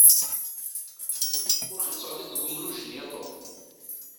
Ɣur-k ad teɣliḍ deg urmuj-nni a Tom!